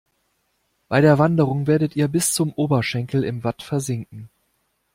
Bei der Wanderung werdet ihr bis zum Oberschenkel im Watt versinken.